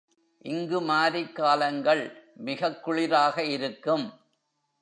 இங்கு மாரிக் காலங்கள் மிகக் குளிராக இருக்கும்.